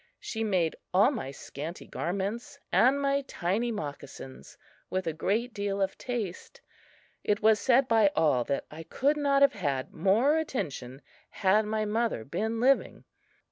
She made all my scanty garments and my tiny moccasins with a great deal of taste. It was said by all that I could not have had more attention had my mother been living.